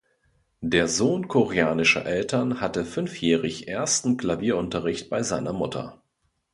Der Sohn koreanischer Eltern hatte fünfjährig ersten Klavierunterricht bei seiner Mutter.